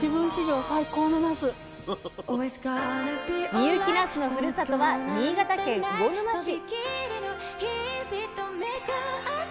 深雪なすのふるさとは新潟県魚沼市。